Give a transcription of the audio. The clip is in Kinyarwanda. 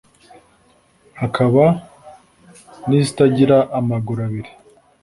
hakaba n’izitagira amaguru abiri